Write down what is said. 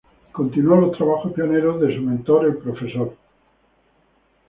Continuó los trabajos pioneros de su mentor el Prof.